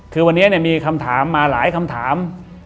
คือวันนี้มีคำถามมาหลายคำถาม